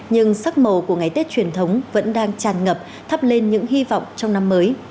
nhưng sắc màu của ngày tết truyền thống vẫn đang tràn ngập thắp lên những hy vọng trong năm mới